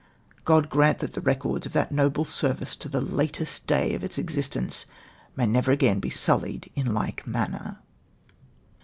God grant that the re cords of that noble service to the latest day of its existence may never again be sulhed in hke manner